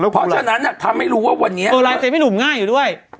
เพราะฉะนั้นอ่ะทำให้รู้ว่าวันเนี้ยตัวลายเซ็นต์พี่หนุ่มง่ายอยู่ด้วย